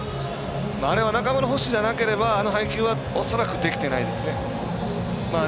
あれは中村捕手じゃなければあの配球は恐らくできていないですね。